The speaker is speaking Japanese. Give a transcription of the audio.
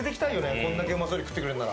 こんだけおいしそうに食ってくれるなら。